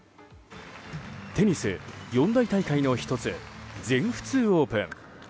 テニス四大大会の１つ全仏オープン。